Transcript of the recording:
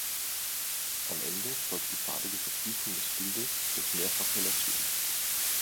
Am Ende folgt die farbige Vertiefung des Bildes durch mehrfache Lasuren.